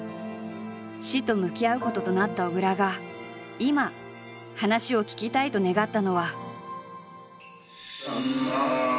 死と向き合うこととなった小倉が今話を聞きたいと願ったのは。